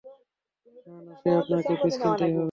না, না, সে-আপনাকে বীজ কিনতেই হবে।